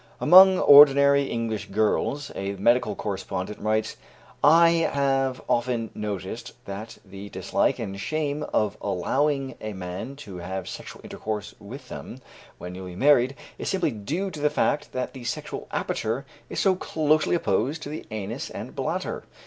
"Among ordinary English girls," a medical correspondent writes, "I have often noticed that the dislike and shame of allowing a man to have sexual intercourse with them, when newly married, is simply due to the fact that the sexual aperture is so closely apposed to the anus and bladder.